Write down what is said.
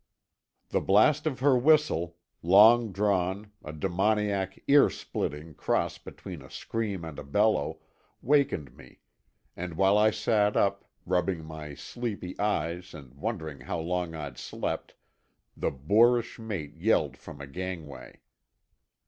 The blast of her whistle, long drawn, a demoniac, ear splitting cross between a scream and a bellow, wakened me; and while I sat up, rubbing my sleepy eyes and wondering how long I'd slept, the boorish mate yelled from a gangway.